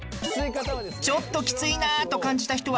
ちょっときついなと感じた人は。